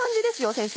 先生。